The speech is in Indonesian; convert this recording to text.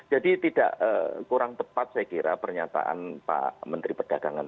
tidak kurang tepat saya kira pernyataan pak menteri perdagangan